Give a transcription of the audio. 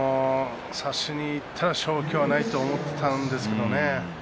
差しにいったら勝機はないと思っていたんですけれどね。